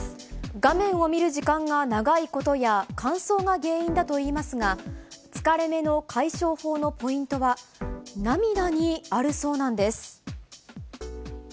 画面を見る時間が長いことや、乾燥が原因だといいますが、疲れ目の解消法のポイントは、涙にあるそうなんです。